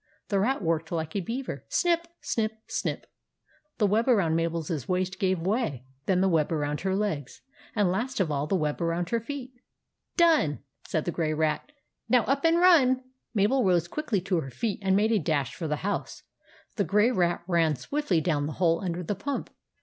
The Rat worked like a beaver — snip ! snip ! snip ! The web around Mabel's waist gave way, then the web around her legs, and last of all the web around her feet. " Done !" cried the Grey Rat. " Now up and run !" ii2 THE ADVENTURES OF MABEL Mabel rose quickly to her feet and made a dash for the house. The Grey Rat ran swiftly down the hole under the pump.